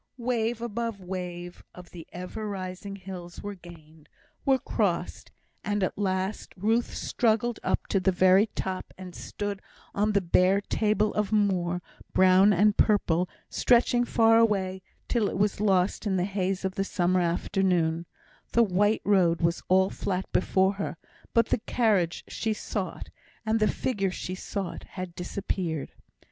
Wave above wave of the ever rising hills were gained, were crossed, and at last Ruth struggled up to the very top and stood on the bare table of moor, brown and purple, stretching far away till it was lost in the haze of the summer afternoon; and the white road was all flat before her, but the carriage she sought and the figure she sought had disappeared.